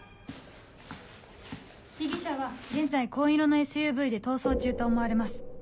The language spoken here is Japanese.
被疑者は現在紺色のＳＵＶで逃走中と思われます。